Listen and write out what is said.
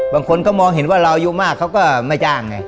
บางคนก็มองเห็นว่าเราอายุมากเขาก็ไม่จ้างไง